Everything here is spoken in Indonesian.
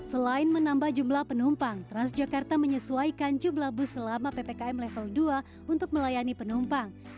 selain menambah jumlah penumpang transjakarta menyesuaikan jumlah bus selama ppkm level dua untuk melayani penumpang